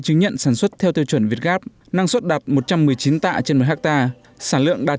chứng nhận sản xuất theo tiêu chuẩn việt gáp năng suất đạt một trăm một mươi chín tạ trên một hectare sản lượng đạt